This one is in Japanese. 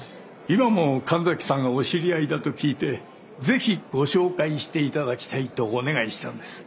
今も神崎さんがお知り合いだと聞いてぜひご紹介していただきたいとお願いしたんです。